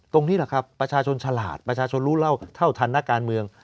ตรงนี้แหละครับประชาชนฉลาดประชาชนรู้เล่าเท่าทันนักการเมือง